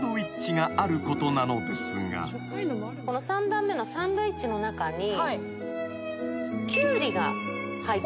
３段目のサンドイッチの中に。